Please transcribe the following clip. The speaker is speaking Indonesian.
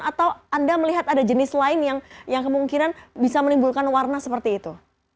atau anda melihat ada jenis lain yang kemungkinan bisa menimbulkan warna seperti itu